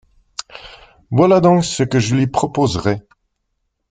Voilà donc ce que je lui proposerais.